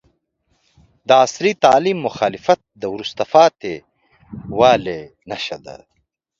د عصري تعلیم مخالفت د وروسته پاتې والي نښه ده.